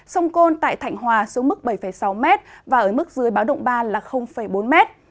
sông côn tại thạnh hòa xuống mức bảy sáu m và ở mức dưới báo động ba là bốn m